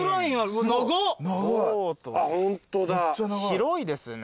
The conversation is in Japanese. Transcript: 広いですね。